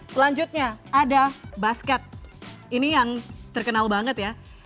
selanjutnya ada basket ini yang terkenal banget ya